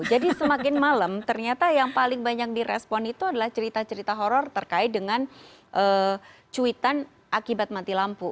jadi semakin malam ternyata yang paling banyak direspon itu adalah cerita cerita horror terkait dengan cuitan akibat mati lampu